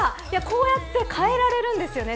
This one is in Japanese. こうやって変えられるんですよね。